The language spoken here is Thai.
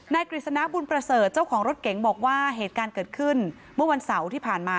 กฤษณะบุญประเสริฐเจ้าของรถเก๋งบอกว่าเหตุการณ์เกิดขึ้นเมื่อวันเสาร์ที่ผ่านมา